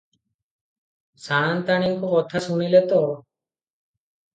ସାଆନ୍ତାଣୀଙ୍କ କଥା ଶୁଣିଲେ ତ?